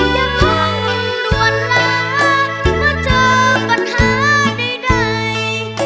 อย่าพอมึงตัวหน้ามาเจอปัญหาใด